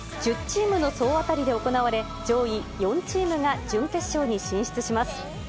１０チームの総当たりで行われ、上位４チームが準決勝に進出します。